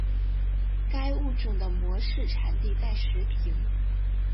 该物种的模式产地在石屏。